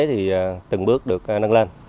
thì từng bước được nâng lên